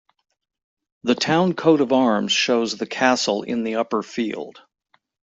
The town coat of arms shows the castle in the upper field.